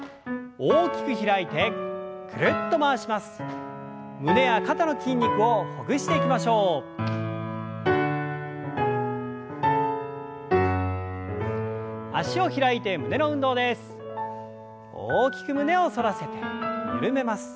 大きく胸を反らせて緩めます。